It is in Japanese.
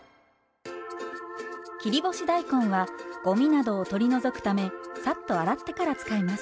切り干し大根はごみなどを取り除くためサッと洗ってから使います。